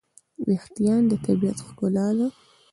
وېښتيان د طبیعت ښکلا ده.